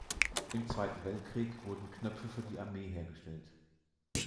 Im Zweiten Weltkrieg wurden Knöpfe für die Armee hergestellt.